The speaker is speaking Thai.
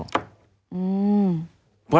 ตำรวจต้องรับแล้วรับเป็นคดีแล้ว